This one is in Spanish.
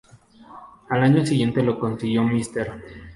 El año siguiente lo consiguió Mr.